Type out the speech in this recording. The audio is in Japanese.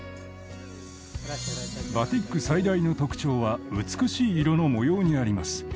バティック最大の特徴は美しい色の模様にあります。